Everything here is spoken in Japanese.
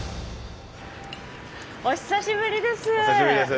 お久しぶりです。